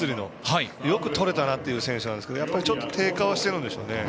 よくとれたなという選手なんですけど低下しているんでしょうね。